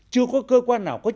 chưa có cơ quan nào có chức năng